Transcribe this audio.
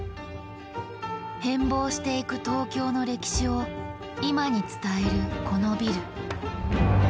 変貌していく東京の歴史を今に伝えるこのビル。